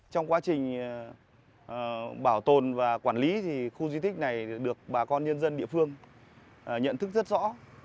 trong quá trình bảo tồn và quản lý thì khu di tích này được bà con nhân dân địa phương nhận thức rất rõ